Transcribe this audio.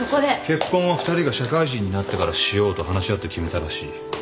結婚は二人が社会人になってからしようと話し合って決めたらしい。